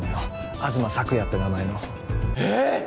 東朔也って名前のえー！